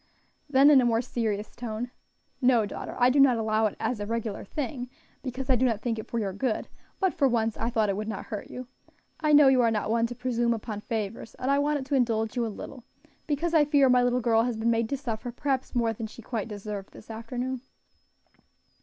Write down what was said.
Then in a more serious tone, "No, daughter, I do not allow it as a regular thing, because I do not think it for your good; but for once, I thought it would not hurt you. I know you are not one to presume upon favors, and I wanted to indulge you a little, because I fear my little girl has been made to suffer perhaps more than she quite deserved this afternoon."